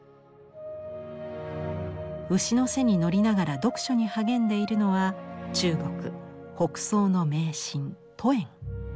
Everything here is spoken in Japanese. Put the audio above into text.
牛の背に乗りながら読書に励んでいるのは中国北宋の名臣杜衍。